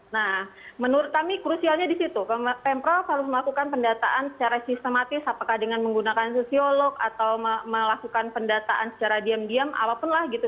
nah menurut kami krusialnya di situ pemprov harus melakukan pendataan secara sistematis apakah dengan menggunakan sosiolog atau melakukan pendataan secara diam diam apapun lah gitu